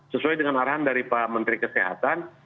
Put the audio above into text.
sesuai dengan arahan dari pak menteri kesehatan